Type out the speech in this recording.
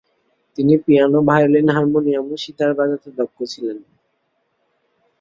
তিনি piano, violin, harmonium ও সিতার বাজানোতে দক্ষ ছিলেন।